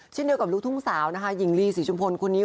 เช่นเดียวกับลูกทุ่งสาวนะคะหญิงลีศรีชุมพลคนนี้